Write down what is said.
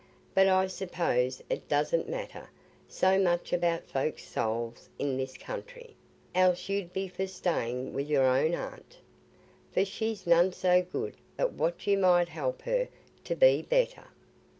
But I suppose it doesna matter so much about folks's souls i' this country, else you'd be for staying with your own aunt, for she's none so good but what you might help her to be better."